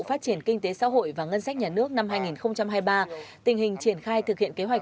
phát triển kinh tế xã hội và ngân sách nhà nước năm hai nghìn hai mươi ba tình hình triển khai thực hiện kế hoạch